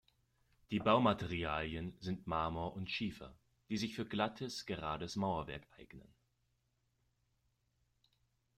Die Baumaterialien sind Marmor und Schiefer, die sich für glattes, gerades Mauerwerk eignen.